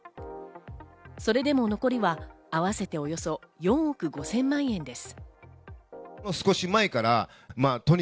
それでも残りはあわせておよそ４億５０００万円です。